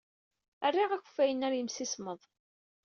Rriɣ akeffay-nni ɣer yimsismeḍ.